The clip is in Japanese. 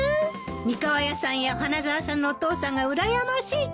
三河屋さんや花沢さんのお父さんがうらやましいってわけね。